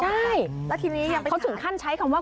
ใช่แล้วทีนี้เขาถึงขั้นใช้คำว่า